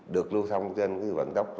được lưu thông trên vận tốc